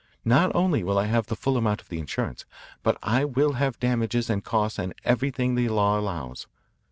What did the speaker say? Not only will I have the full amount of the insurance, but I will have damages and costs and everything the law allows.